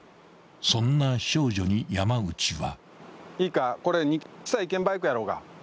［そんな少女に山内は］